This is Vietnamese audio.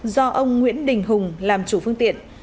do ông nguyễn đình hùng làm chủ phương tiện